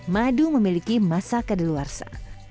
madu memiliki masa kedeluarsa